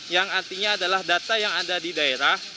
yang artinya adalah data yang ada di daerah